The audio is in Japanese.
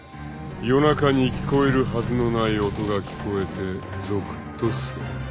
夜中に聞こえるはずのない音が聞こえてゾクッとする。